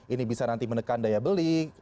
ini bisa nanti menekan daya beli